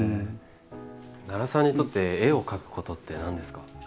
奈良さんにとって絵を描くことって何ですか？